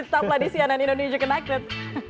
tetap lagi di cnn indonesia connected